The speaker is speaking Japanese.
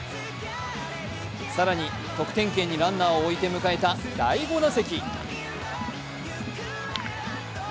更に得点圏にランナーを置いて迎えた第５打席。